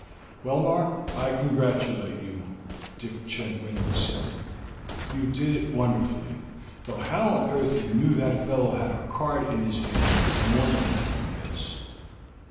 "Well, Mark, I congratulate you," Dick Chetwynd said. "You did it wonderfully, though how on earth you knew that fellow had a card in his hand is more than I can guess."